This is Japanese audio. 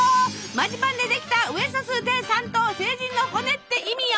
マジパンでできたウエソス・デ・サント「聖人の骨」って意味よ！